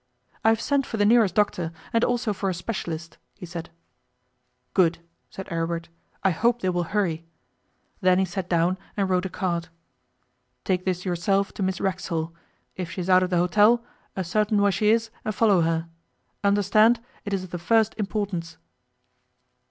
'I have sent for the nearest doctor, and also for a specialist,' he said. 'Good,' said Aribert. 'I hope they will hurry.' Then he sat down and wrote a card. 'Take this yourself to Miss Racksole. If she is out of the hotel, ascertain where she is and follow her. Understand, it is of the first importance.